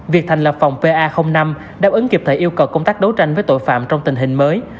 việc thành lập phòng pa năm đáp ứng kịp thời yêu cầu công tác đấu tranh với tội phạm trong tình hình mới